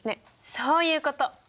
そういうこと！